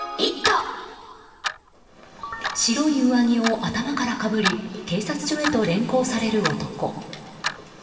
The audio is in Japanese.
白い上着を頭からかぶり警察署へと連行される男。